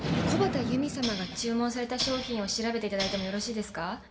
木幡由実様が注文された商品を調べていただいてもよろしいですか？